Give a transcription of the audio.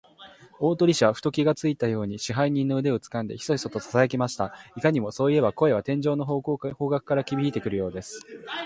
大鳥氏はふと気がついたように、支配人の腕をつかんで、ヒソヒソとささやきました。いかにも、そういえば、声は天井の方角からひびいてくるようです。